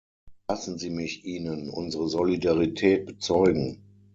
Lassen Sie mich ihnen unsere Solidarität bezeugen.